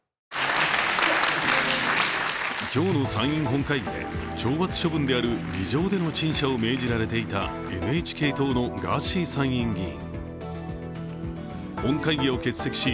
今日の参院本会議で懲罰処分である議場での陳謝を命じられていたＮＨＫ党のガーシー参院議員。